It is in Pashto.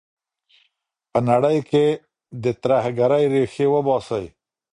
په نړۍ کي د ترهګرۍ ریښې وباسئ.